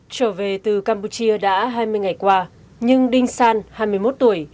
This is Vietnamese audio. trở về từ campuchia đã hai mươi ngày qua nhưng đinh san hai mươi một tuổi